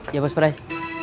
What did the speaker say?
iya bos peraih